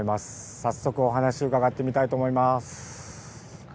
早速お話伺ってみたいと思います。